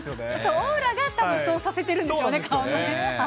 オーラがたぶんそうさせてるんでしょうね、顔のね。